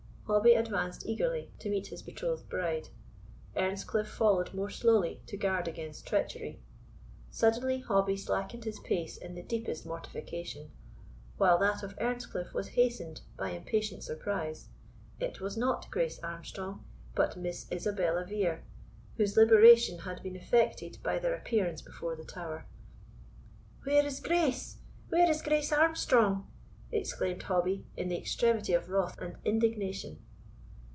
Hobbie advanced eagerly, to meet his betrothed bride. Earnscliff followed more slowly, to guard against treachery. Suddenly Hobbie slackened his pace in the deepest mortification, while that of Earnscliff was hastened by impatient surprise. It was not Grace Armstrong, but Miss Isabella Vere, whose liberation had been effected by their appearance before the tower. "Where is Grace? where is Grace Armstrong?" exclaimed Hobbie, in the extremity of wrath and indignation.